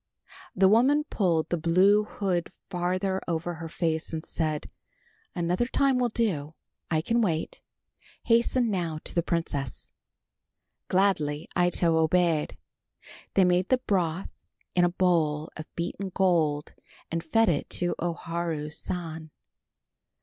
The woman pulled the blue hood farther over her face and said, "Another time will do, I can wait. Hasten now to the princess." Gladly Ito obeyed. They made the broth in a bowl of beaten gold and fed it to O Haru San.